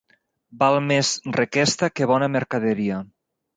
Val més requesta que bona mercaderia.